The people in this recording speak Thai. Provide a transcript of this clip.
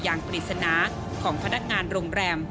อย่างผลิตสนาของพนักงานโรงแรม